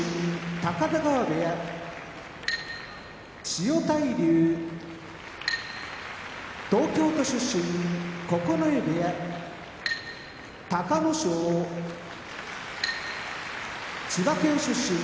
千代大龍東京都出身九重部屋隆の勝千葉県出身